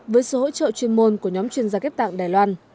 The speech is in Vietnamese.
với sự hỗ trợ chuyên môn của nhóm chuyên gia ghép tạng đài loan